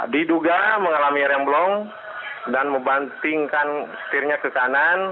diduga mengalami remblong dan membantingkan setirnya ke kanan